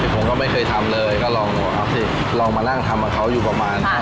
ผมก็ไม่เคยทำเลยก็ลองหนูครับที่ลองมานั่งทำกับเขาอยู่ประมาณ๕๖เดือน